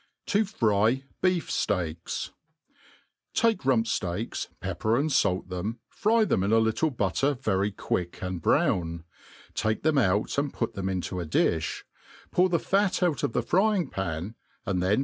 ^0 fry Beef' Steaks. TAKE Tum.p.ft^ajcs, pepper apd /alt them, fry them in a little butter ver.y quick and brown \ take them out and put them into a di(b, pour the fat out of the frying pan, and then